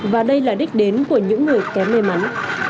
và đây là đích đến của những người kém may mắn